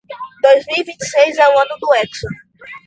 Dois mil e vinte seis é o ano do hexa.